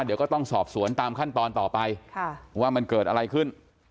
เดี๋ยวก็ต้องสอบสวนตามขั้นตอนต่อไปว่ามันเกิดอะไรขึ้น